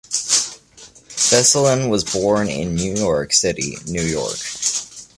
Breslin was born in New York City, New York.